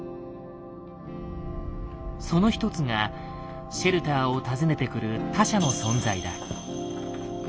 その一つがシェルターを訪ねてくる他者の存在だ。